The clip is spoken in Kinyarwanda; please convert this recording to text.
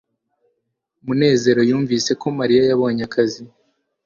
munezero yumvise ko mariya yabonye akazi